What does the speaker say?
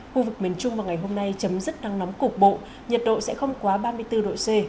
khu vực miền trung vào ngày hôm nay chấm dứt nắng nóng cục bộ nhiệt độ sẽ không quá ba mươi bốn độ c